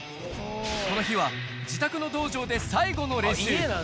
この日は、自宅の道場で最後の練習。